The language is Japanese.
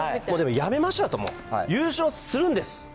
やめましょう、優勝するんです。